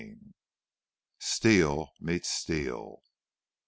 XXII. STEEL MEETS STEEL.